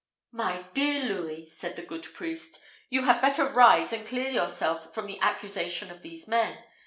"My dear Louis," said the good priest, "you had better rise and clear yourself from the accusation of these men.